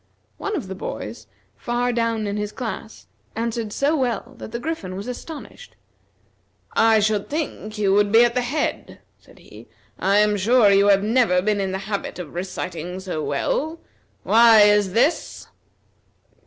One of the boys, far down in his class, answered so well that the Griffin was astonished. "I should think you would be at the head," said he. "I am sure you have never been in the habit of reciting so well. Why is this?"